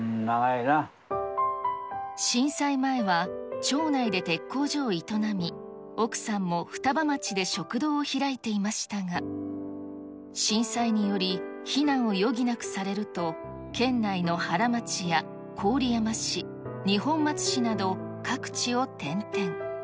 震災前は、町内で鉄工所を営み、奥さんも双葉町で食堂を開いていましたが、震災により避難を余儀なくされると、県内の原町や郡山市、二本松市など各地を転々。